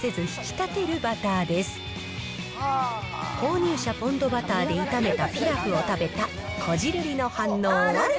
乳舎ポンドバターで炒めたピラフを食べた、こじるりの反応は。